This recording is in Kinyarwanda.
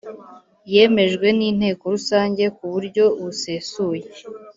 yemejwe n Inteko Rusange ku buryo busesuye